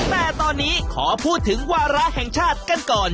แต่ตอนนี้ขอพูดถึงวาระแห่งชาติกันก่อน